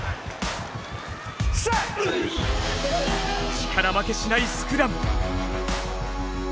力負けしないスクラム。